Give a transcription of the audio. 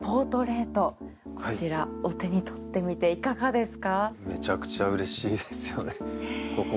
お手にとってみていかがですか？